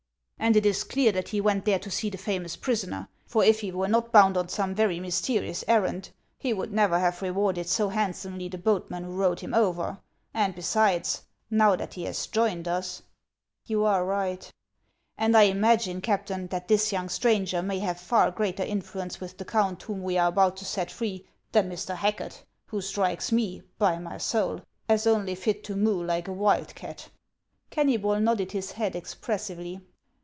" And it is clear that he went there to see the famous prisoner; for if he were not bound on some very mysteri ous errand, he would never have rewarded so handsomely the boatman who rowed hirn over • and besides, now that he has joined us — •'You are right" " And I imagine, Captain, that this young stranger may have far greater influence with the count whom we are 382 HANS OF ICELAND. about to set free than Mr. Hacket, who strikes me, by my soul ! as only n't to mew like a wildcat." Kennybol nodded his head expressively.